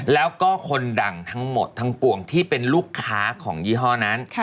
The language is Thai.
แล้วก็คนดังทั้งหมดทั้งปวงที่เป็นลูกค้าของยี่ห้อนั้น